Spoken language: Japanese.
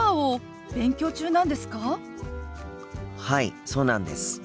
はいそうなんです。